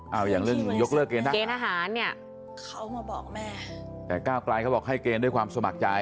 เอ้าอย่างเรื่องยกเลิกเกณฑ์นะครับเกณฑ์อาหารเนี่ยแต่เก้าไกรเขาบอกให้เกณฑ์ด้วยความสมัครใจ